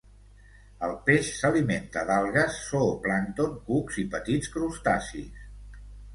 El peix s'alimenta d'algues, zooplàncton, cucs i petits crustacis.